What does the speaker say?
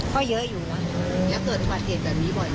ก็เยอะอยู่